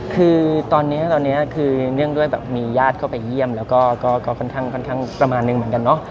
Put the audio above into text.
คือตอนนี้ตอนนี้คือเนื่องด้วยแบบมีญาติเข้าไปเยี่ยมแล้วก็ค่อนข้างประมาณนึงเหมือนกันเนาะ